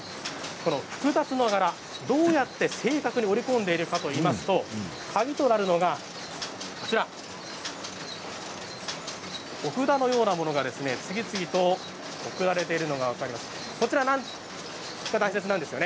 複雑な柄、どうやって正確に織り込んでいるかといいますと鍵となるのがお札のようなものが次々と送られているのが分かります。